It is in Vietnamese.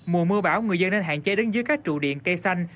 mùa mưa bão người dân nên hạn chế đến dưới các trụ điện cây xanh